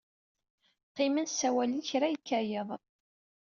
Qqimen ssawalen kra yekka yiḍ.